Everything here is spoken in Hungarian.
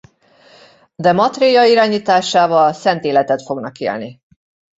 De Maitréja irányításával szent életet fognak élni.